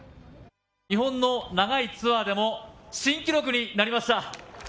日本の長いツアーでも新記録になりました！